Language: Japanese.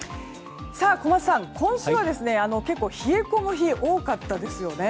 小松さん、今週は結構冷え込む日多かったですよね。